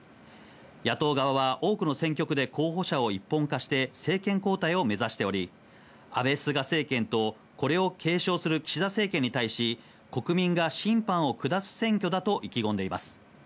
野党側は多くの選挙区で候補者を一本化して政権交代を目指しており、安倍・菅政権とこれを継承する岸田政権に対し、国民が審判を下す選挙だと意気込んでいます。